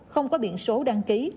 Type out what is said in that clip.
không có biện số đăng ký